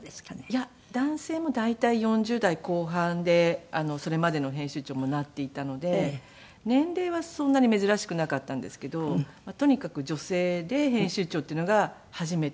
いや男性も大体４０代後半でそれまでの編集長もなっていたので年齢はそんなに珍しくなかったんですけどとにかく女性で編集長っていうのが初めての。